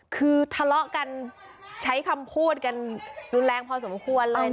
คือทะเลาะกันใช้คำพูดกันรุนแรงพอสมควรเลย